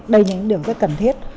đây là những điều rất cần thiết